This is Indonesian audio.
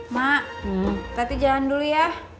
mak tapi jalan dulu ya